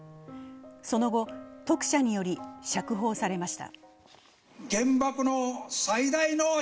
その後、特赦により釈放されました。